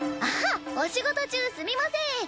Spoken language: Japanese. あっお仕事中すみません。